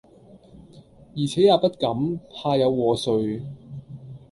而且也不敢，怕有禍祟。